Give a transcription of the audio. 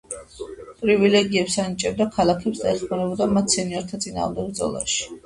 პრივილეგიებს ანიჭებდა ქალაქებს და ეხმარებოდა მათ სენიორთა წინააღმდეგ ბრძოლაში.